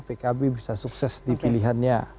pkb bisa sukses di pilihannya